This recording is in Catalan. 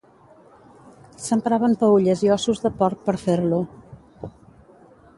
S'empraven peülles i ossos de porc per fer-lo.